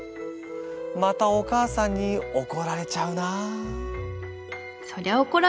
またお母さんに怒られちゃうな」。